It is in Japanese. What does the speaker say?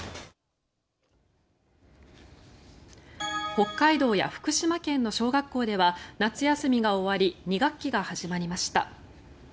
北海道や福島県の小学校では夏休みが終わり２学期が始まりました。